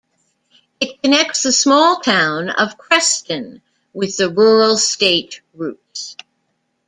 It connects the small town of Creston with the rural state routes.